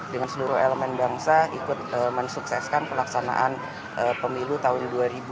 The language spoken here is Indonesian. dengan seluruh elemen bangsa ikut mensukseskan pelaksanaan pemilu tahun dua ribu dua puluh